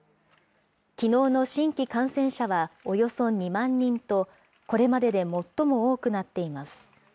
きのうの新規感染者はおよそ２万人と、これまでで最も多くなっています。